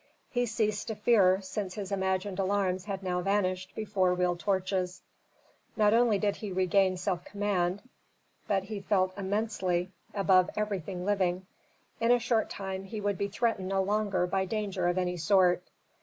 He ceased to fear since his imagined alarms had now vanished before real torches. Not only did he regain self command, but he felt immensely above everything living. In a short time he would be threatened no longer by danger of any sort.